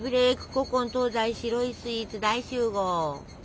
古今東西白いスイーツ大集合！